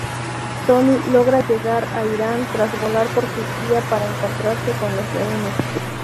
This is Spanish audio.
Tony logra llegar a Irán tras volar por Turquía para encontrarse con los rehenes.